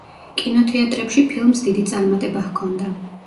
კინოთეატრებში ფილმს დიდი წარმატება ჰქონდა.